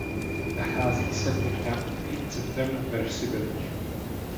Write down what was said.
Nachází se pod nákupním centrem "Bercy Village".